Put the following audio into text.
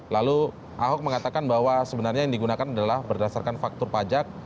lalu ahok mengatakan bahwa sebenarnya yang digunakan adalah berdasarkan faktor pajak